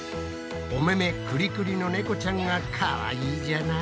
おめめクリクリの猫ちゃんがかわいいじゃない。